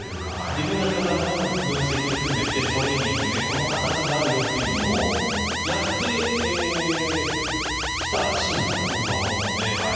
自分たちが多分、分析含めてトレーニングでこの形があるということを、やってきたシーンだと思うので。